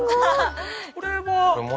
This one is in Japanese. これは。